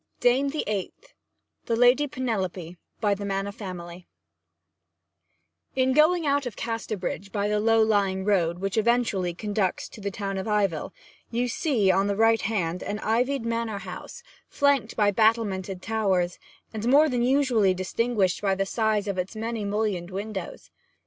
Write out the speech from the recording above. DAME THE EIGHTH THE LADY PENELOPE By the Man of Family In going out of Casterbridge by the low lying road which eventually conducts to the town of Ivell, you see on the right hand an ivied manor house, flanked by battlemented towers, and more than usually distinguished by the size of its many mullioned windows.